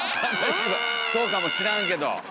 そうかもしらんけど。